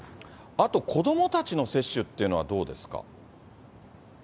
あと子どもたちの接種というのはどうですか？